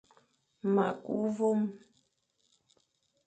Ma ku mvoom,